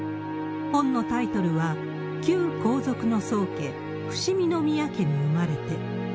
本のタイトルは、旧皇族の宗家・伏見宮家に生まれて。